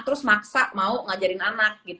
terus maksa mau ngajarin anak